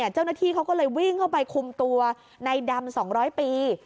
เจ้าหน้าที่เขาก็เลยวิ่งเข้าไปคุมตัวในดำ๒๐๐ปี